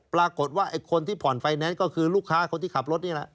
ปรากฏว่าไอ้คนที่ผ่อนไฟแนนซ์ก็คือลูกค้าคนที่ขับรถนี่แหละ